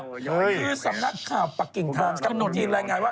คือสำนักข่าวปักกิ่งทางก็ยินรายงานว่า